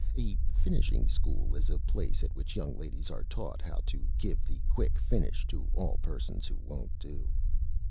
(A Finishing School is a Place at which Young Ladies are taught how to give the Quick Finish to all Persons who won't do.)